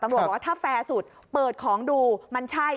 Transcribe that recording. บอกว่าถ้าแฟร์สุดเปิดของดูมันใช่